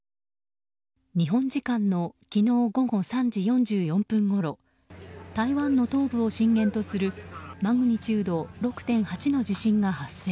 日本時間の昨日午後３時４４分ごろ台湾の東部を震源とするマグニチュード６．８の地震が発生。